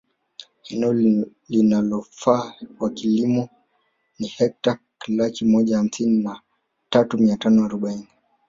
Eneo linalofaa kwa kilimo ni hekta laki moja hamsini na tatu mia tano arobaini